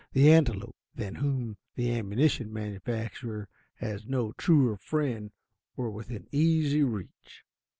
The antelope, than whom the ammunition manufacturer has no truer friend, were within easy reach.